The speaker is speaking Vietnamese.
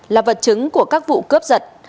là vật chứng của các vụ cướp giật